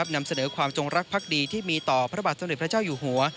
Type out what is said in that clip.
นำเสนอความจงรักภักดีที่มีต่อพระบาทสมเด็จพระเจ้าอยู่หัว